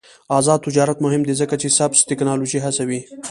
آزاد تجارت مهم دی ځکه چې سبز تکنالوژي هڅوي.